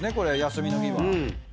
休みの日は。